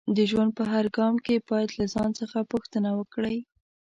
د ژوند په هر ګام کې باید له ځان څخه پوښتنه وکړئ